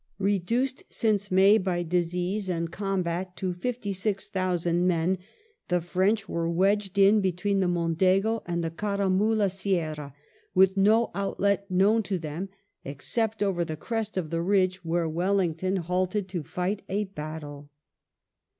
Reduced since May by disease and combat to VII RETREATS ON TORRES VEDRAS 135 fifty six thousand men, the French were wedged in between the Mondego and the Caramula Sierra, with no outlet known to them except over the crest of the ridge, where Wellington halted to fight a battle.